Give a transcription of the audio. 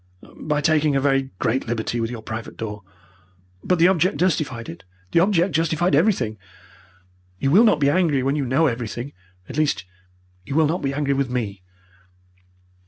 "By taking a very great liberty with your private door. But the object justified it. The object justified everything. You will not be angry when you know everything at least, you will not be angry with me.